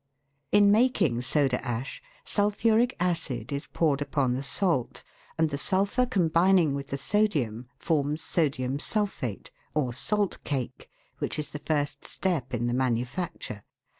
In making soda ash, sulphuric acid is poured upon the salt, and the sulphur combining with the sodium forms sodium sulphate, or " salt cake," which is the first step in the manufacture.